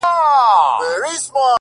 که هر څو دي په لاره کي گړنگ در اچوم _